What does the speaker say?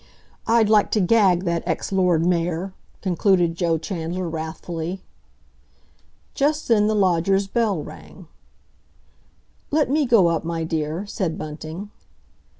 "I'd like to gag that ex Lord Mayor!" concluded Joe Chandler wrathfully. Just then the lodger's bell rang. "Let me go up, my dear," said Bunting.